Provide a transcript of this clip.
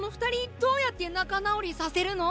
どうやってなかなおりさせるの？